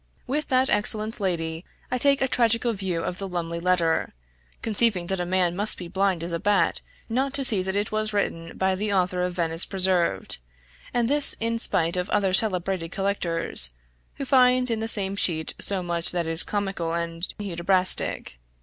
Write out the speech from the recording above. With that excellent lady I take a tragical view of the Lumley Letter, conceiving that a man must be blind as a bat, not to see that it was written by the author of Venice Preserved, and this in spite of other celebrated collectors, who find in the same sheet so much that is comical and Hudibrastic.